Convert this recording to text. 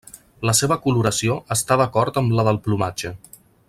La seva coloració està d'acord amb la del plomatge.